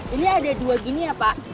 ini ada dua gini ya pak